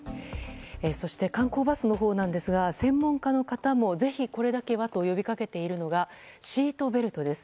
そして、観光バスのほうですが専門家の方もぜひ、これだけはと呼びかけているのがシートベルトです。